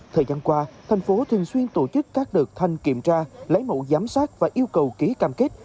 thời gian qua thành phố thường xuyên tổ chức các đợt thanh kiểm tra lấy mẫu giám sát và yêu cầu ký cam kết